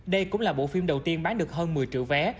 đây cũng là bộ phim đầu tiên bán được hơn một mươi triệu vé